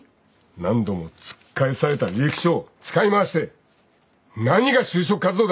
何度も突っ返された履歴書を使い回して何が就職活動だ。